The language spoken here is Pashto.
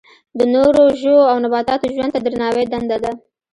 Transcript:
د نورو ژویو او نباتاتو ژوند ته درناوی دنده ده.